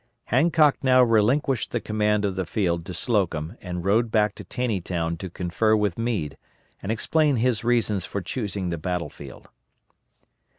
Hancock now relinquished the command of the field to Slocum and rode back to Taneytown to confer with Meade and explain his reasons for choosing the battle field.